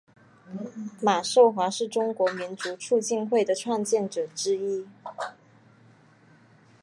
马寿华是中国民主促进会的创建者之一。